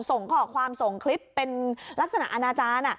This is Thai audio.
ส่งข้อความส่งคลิปเป็นลักษณะอนาจารย์